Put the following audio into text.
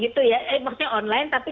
gitu ya maksudnya online tapi